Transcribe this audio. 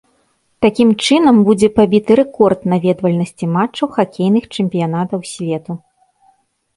Такім чынам будзе пабіты рэкорд наведвальнасці матчаў хакейных чэмпіянатаў свету.